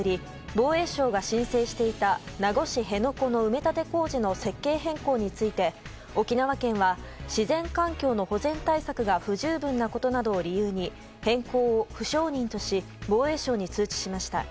防衛省が申請していた名護市辺野古の埋め立て工事の設計変更について沖縄県は自然環境の保全対策が不十分なことなどを理由に変更を不承認とし防衛省に通知しました。